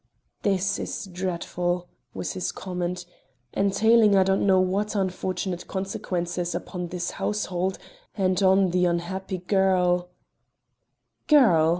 "This is dreadful," was his comment, "entailing I do not know what unfortunate consequences upon this household and on the unhappy girl " "Girl?"